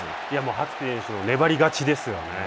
羽月選手の粘り勝ちですよね。